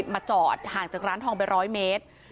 มาจอดห่างจากร้านทองไป๑๐๐เมตร